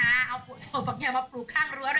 เอาถั่วฝักยาวมาปลูกข้างรั้วเลยค่ะ